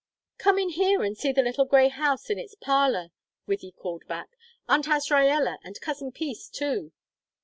"Come in here and see the little grey house in its parlor," Wythie called back. "Aunt Azraella and Cousin Peace, too."